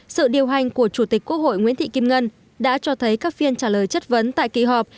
sự điều hành của chủ tịch quốc hội nguyễn thị kim ngân đã cho thấy các phiên trả lời chất vấn tại kỳ họp